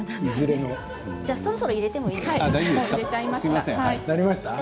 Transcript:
そろそろ入れてもいいですか。